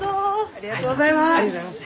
ありがとうございます！